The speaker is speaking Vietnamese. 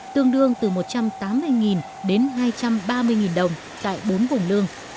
tương đương từ một trăm tám mươi đến hai trăm ba mươi đồng tại bốn vùng lương